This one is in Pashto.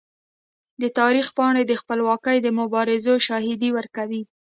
د تاریخ پاڼې د خپلواکۍ د مبارزو شاهدي ورکوي.